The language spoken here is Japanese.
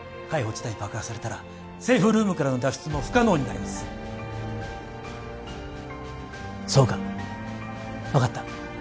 海保自体爆破されたらセーフルームからの脱出も不可能になりますそうか分かった